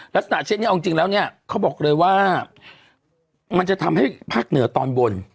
ลักษณะเช่นนี้เอาจริงแล้วเนี่ยเขาบอกเลยว่ามันจะทำให้ภาคเหนือตอนบน